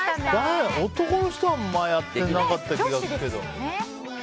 男の人はあまりやってなかったですけど。